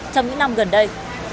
trong những năm gần đây